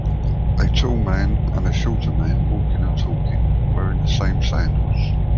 A tall man and a shorter man walking and talking, wearing the same sandals.